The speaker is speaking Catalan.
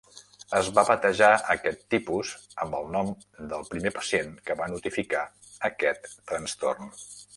Es va batejar aquest tipus amb el nom del primer pacient que va notificar aquest trastorn.